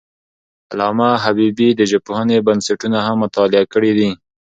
علامه حبیبي د ژبپوهنې بنسټونه هم مطالعه کړي دي.